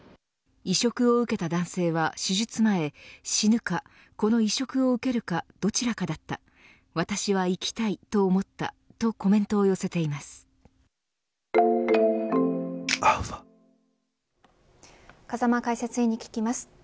移植を受けた男性は手術前死ぬかこの移植を受けるかどちらかだった私は生きたいと思ったとコメントを寄せています。